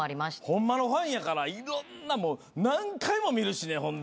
ホンマのファンやからいろんな何回も見るしねほんで。